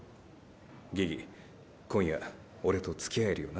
ギギ今夜俺とつきあえるよな？